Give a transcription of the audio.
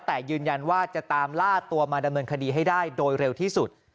แต่ยืนยันว่าจะตามล่าตัวมาดำเนินคดีให้ได้โดยเร็วที่สุด